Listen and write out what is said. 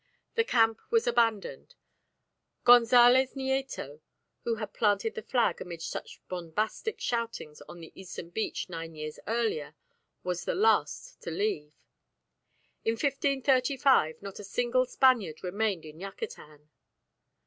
The camp was abandoned. Gonzales Nieto, who had planted the flag amid such bombastic shoutings on the eastern beach nine years earlier, was the last to leave. In 1535 not a single Spaniard remained in Yucatan.